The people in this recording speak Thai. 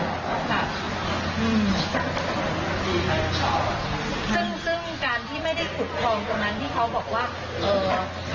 อืมซึ่งซึ่งการที่ไม่ได้ขุดคลองตรงนั้นที่เขาบอกว่าเอ่อ